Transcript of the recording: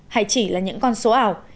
hay chỉ là những con số ảo